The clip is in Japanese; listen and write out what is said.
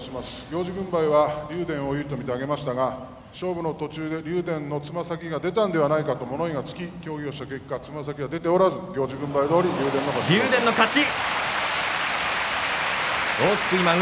行司軍配は竜電を有利と見て上げましたが勝負の途中で竜電のつま先が出たんではないかと物言いがつき協議をしましたがつま先は出ておらず竜電の勝ちといたします。